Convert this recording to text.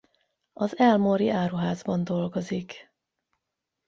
Az Elmore-i Áruházban dolgozik.